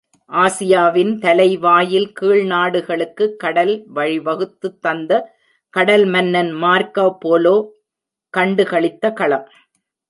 ஆசியாவின் தலை வாயில், கீழ்நாடுகளுக்குக் கடல்வழி வகுத்துத்தந்த கடல் மன்னன் மார்க்க போலோ கண்டு களித்த களம்.